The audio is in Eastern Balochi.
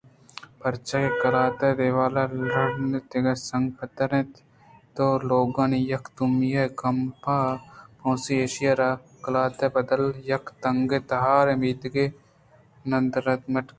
پرچاکہ قلات ءِ دیوال لُڑیتگ ءُسنگ پدّر اِت اَنت ءُلوگانی یکے دومی ءَ گمپا پونسی ایشیءَ را قلات ءِ بدل ءَ یک تنک ءُتہاریں میتگے ءِ ندارگ ءَمٹ کرتگ اَت